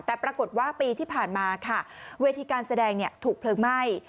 แต่ปรากฏว่าปีที่ผ่านมาค่ะเวทีการแสดงถูกเพลิงไหม้